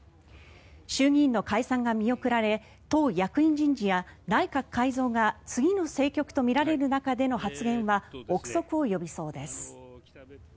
衆議院の解散が見送られ党役員人事や内閣改造が次の政局とみられる中での発言は臆測を呼びそうです。